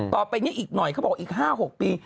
ต่อไปนี้อีกหน่อยเขาบอกอีก๕๖ปี